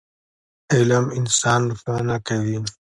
علم انسان روښانه کوي.